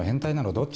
どっち？